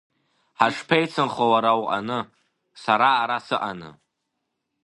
Ҳашԥеицынхо, уара уа уҟаны, сара ара сыҟаны?